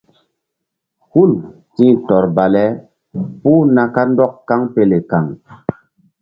Hul ti̧h tɔr bale puh na kandɔk kaŋpele kaŋ.